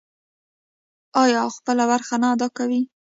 آیا او خپله برخه نه ادا کوي؟